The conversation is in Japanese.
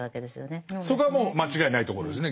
そこはもう間違いないとこですね。